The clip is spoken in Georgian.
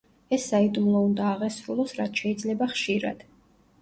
ეს საიდუმლო უნდა აღესრულოს რაც შეიძლება ხშირად.